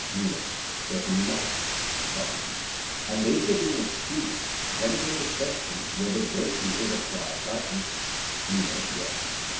MENO: Certainly not. SOCRATES: And nature being excluded, then came the question whether virtue is acquired by teaching? MENO: Yes.